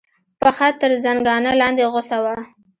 پښه تر زنګانه لاندې غوڅه وه.